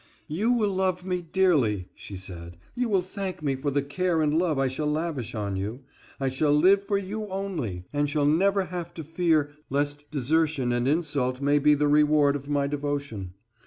"You will love me dearly," she said, "you will thank me for the care and love I shall lavish on you. I shall live for you only, and shall never have to fear lest desertion and insult may be the reward of my devotion.